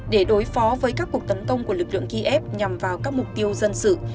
để đối phó với các cuộc tấn công của lực lượng kiev nhằm vào các mục tiêu dân sự